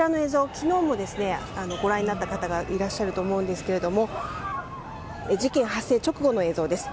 昨日もご覧になった方がいらっしゃると思うんですけれど事件発生直後の映像です。